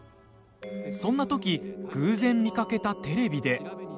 そんな時偶然、見かけたテレビで。